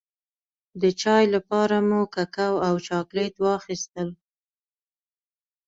د چای لپاره مو ککو او چاکلېټ واخيستل.